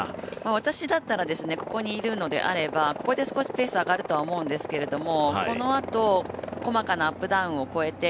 私だったらここにいるのであればここで少しペース上がると思うんですけれどもこのあと細かなアップダウンを越えて